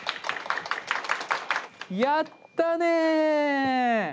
やったね！